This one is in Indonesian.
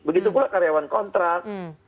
begitu pula karyawan kontrak